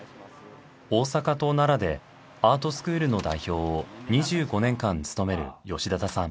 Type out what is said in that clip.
大阪と奈良でアートスクールの代表を２５年間務める吉田田さん。